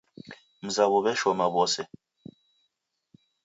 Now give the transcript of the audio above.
Mzawo w'eshoma w'ose.